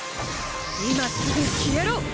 今すぐ消えろ！